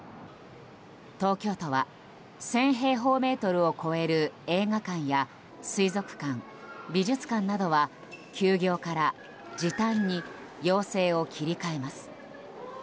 東京都は１０００平方メートルを超える映画館や水族館、美術館などは休業から時短に要請を切り替えます。